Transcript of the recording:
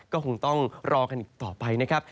ก็คงต้องรอกันต่อไปนะครับ